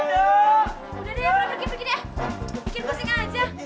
bikin pusing aja